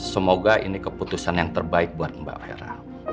semoga ini keputusan yang terbaik buat mbak hera